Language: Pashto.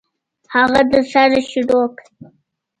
هغه له سره شروع کړ.